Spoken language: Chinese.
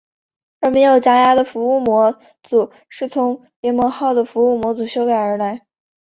而没有加压的服务模组是从联盟号的服务模组修改而来。